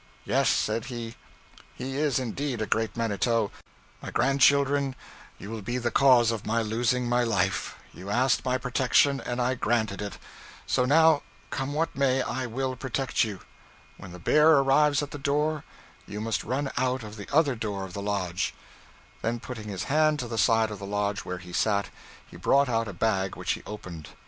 'Yes,' said he, 'he is indeed a great manito: my grandchildren, you will be the cause of my losing my life; you asked my protection, and I granted it; so now, come what may, I will protect you. When the bear arrives at the door, you must run out of the other door of the lodge.' Then putting his hand to the side of the lodge where he sat, he brought out a bag which he opened.